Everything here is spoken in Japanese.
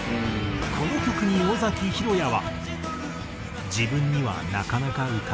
この曲に尾崎裕哉は。